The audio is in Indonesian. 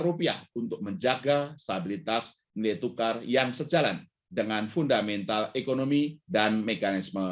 rupiah untuk menjaga stabilitas nilai tukar yang sejalan dengan fundamental ekonomi dan mekanisme